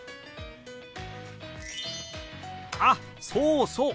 あっそうそう！